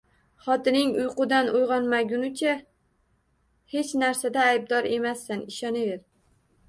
Xotining uyqudan uyg'onmagunicha hech narsada aybdor emassan, ishonaver!